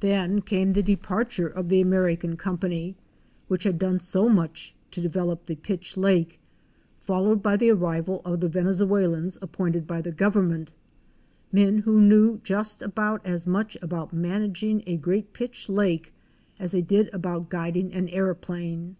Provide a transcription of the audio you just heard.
Then came the departure of the American 92 OUR SEARCH FOR A WILDERNESS. Company, which had done so much to develop the Pitch Lake, followed by the arrival of the Venezuelans appointed by the Government — men who knew just about as much about managing a great Pitch Lake as they did about guiding an aéroplane.